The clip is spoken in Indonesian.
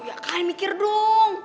ya kalian mikir dong